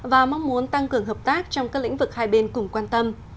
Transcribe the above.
và mong muốn tăng cường hợp tác trong các lĩnh vực hai bên cùng quan tâm